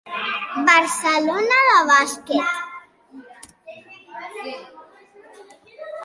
Barcelona de bàsquet.